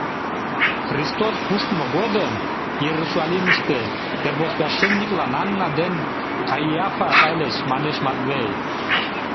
Христос пуштмо годым Иерусалимыште первосвященниклан Анна ден Каиафа ыльыч, манеш Матвей.